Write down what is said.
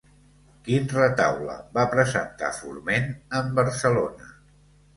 Quin retaule va presentar Forment en Barcelona?